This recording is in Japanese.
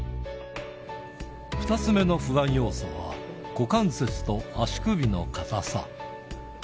２つ目の不安要素は、股関節と足首の硬さ。